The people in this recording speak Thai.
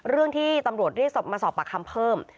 เรื่องที่ตำรวจเรียกมาสอบปากคำเพิ่ม